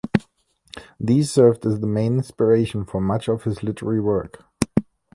These served as the main inspiration for much of his literary work.